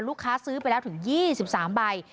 ลูกค้าซื้อไปแล้วถึง๒๓ใบ